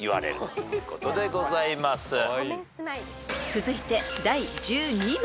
［続いて第１２問］